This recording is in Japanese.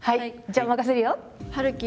じゃあ任せるよ。